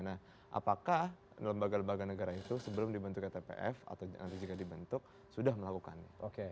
nah apakah lembaga lembaga negara itu sebelum dibentuknya tpf atau nanti jika dibentuk sudah melakukannya